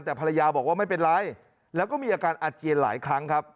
แต่ภรรยาบอกว่าไม่เป็นไรแล้วก็มีอาการอาเจียนหลายครั้งครับ